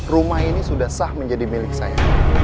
rumah ini sudah sah menjadi milik saya